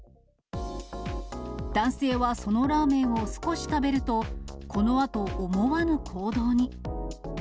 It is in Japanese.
男性はそのラーメンを少し食べると、このあと思わぬ行動に。